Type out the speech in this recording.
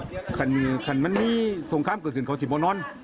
อือซุ่มไปนี่เขามันมีส่งคล้ำเกิดขึ้นเขาสิบอ้อนนอน